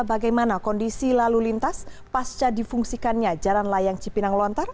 bagaimana kondisi lalu lintas pasca difungsikannya jalan layang cipinang lontar